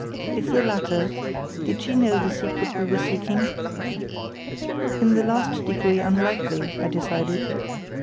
If the latter, did she know the secret we were seeking? In the last degree unlikely, I decided.